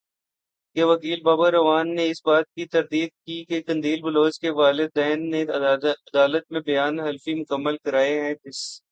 کے وکیل بابر اعوان نے اس بات کی تردید کی کہ قندیل بلوچ کے والدین نے عدالت میں بیان حلفی مکمل کرائے ہیں جس